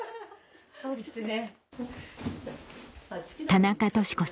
そうですね。